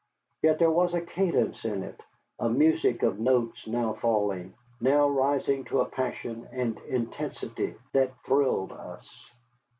Yet there was a cadence in it, a music of notes now falling, now rising to a passion and intensity that thrilled us.